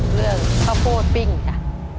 เรื่องเข้าโพดปิ้งค่ะ